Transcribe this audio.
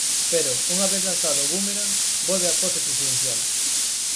Pero, unha vez lanzado o búmerang, volve á pose presidencial.